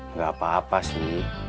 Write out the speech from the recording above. nggak apa apa sih